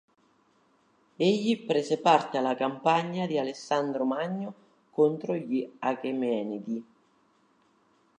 Egli prese parte alla campagna di Alessandro Magno contro gli Achemenidi.